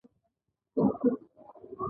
ایسی برښنا لګوي